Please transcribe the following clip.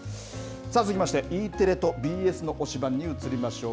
さあ続きまして、ＥテレとＢＳの推しバン！に移りましょう。